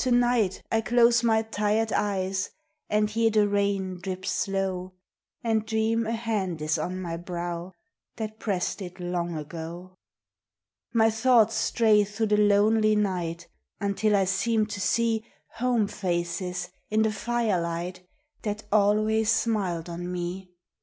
To night I close my tired eyes And hear the rain drip slow, And dream a hand is on my brow That pressed it long ago. My thoughts stray through the lonely night Until I seem to see Home faces, in the firelight, That always smiled on me.